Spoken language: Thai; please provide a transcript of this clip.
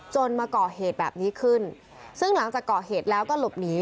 มาก่อเหตุแบบนี้ขึ้นซึ่งหลังจากก่อเหตุแล้วก็หลบหนี